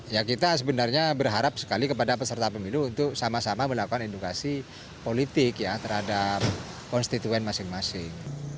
ya kita sebenarnya berharap sekali kepada peserta pemilu untuk sama sama melakukan edukasi politik ya terhadap konstituen masing masing